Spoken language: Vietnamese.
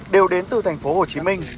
đều đến từ thành phố hồ chí minh